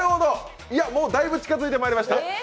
だいぶ近づいてまいりました。